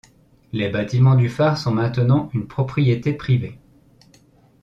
Les bâtiments du phare sont maintenant une propriété privée.